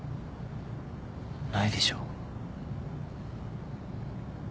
ないでしょ。